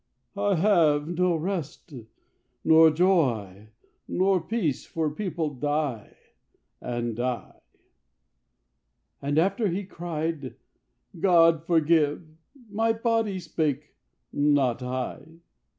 "I have no rest, nor joy, nor peace, "For people die and die"; And after cried he, "God forgive! "My body spake, not I!"